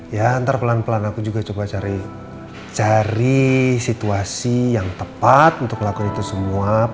ya ntar pelan pelan aku juga coba cari situasi yang tepat untuk melakukan itu semua